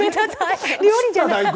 料理じゃない。